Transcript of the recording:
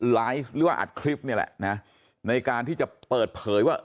ไลฟ์หรือว่าอัดคลิปนี่แหละนะในการที่จะเปิดเผยว่า